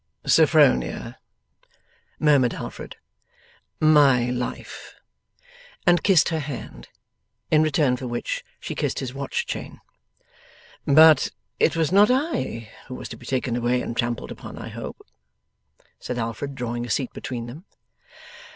'Sophronia!' murmured Alfred. 'My life!' and kissed her hand. In return for which she kissed his watch chain. 'But it was not I who was to be taken away and trampled upon, I hope?' said Alfred, drawing a seat between them.